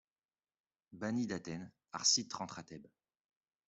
Banni d'Athènes, Arcite rentre à Thèbes.